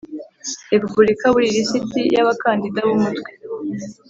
Repubulika buri lisiti y abakandida b Umutwe